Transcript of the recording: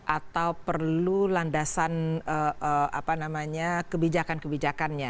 atau perlu landasan kebijakan kebijakannya